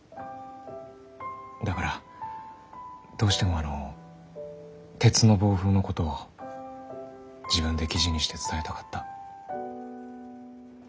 だからどうしてもあの「鉄の暴風」のことを自分で記事にして伝えたかった。